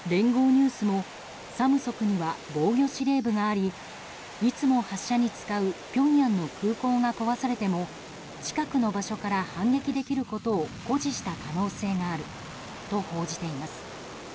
ニュースもサムソクには防御司令部がありいつも発射に使うピョンヤンの空港が壊されても近くの場所から反撃できることを誇示した可能性があると報じています。